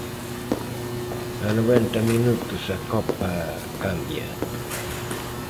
A noventa minutos a copa cambia.